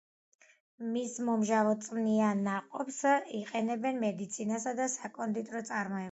მის მომჟავო წვნიან ნაყოფს იყენებენ მედიცინასა და საკონდიტრო წარმოებაში.